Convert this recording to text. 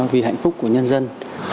vì hạnh phúc của nhân dân